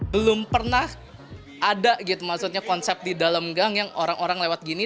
belum pernah ada gitu maksudnya konsep di dalam gang yang orang orang lewat gini